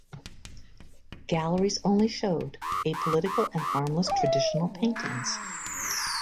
Galleries only showed apolitical and harmless traditional paintings.